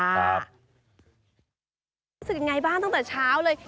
รู้สึกยังไงบ้างตั้งแต่เช้าเลย